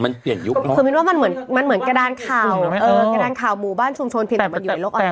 มันเปลี่ยนยุคคือมินว่ามันเหมือนมันเหมือนกระดานข่าวเออกระดานข่าวหมู่บ้านชุมชนเพียงแต่มันอยู่ในโลกออนไ